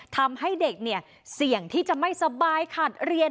ทำให้เด็กเนี่ยเสี่ยงที่จะไม่สบายขาดเรียน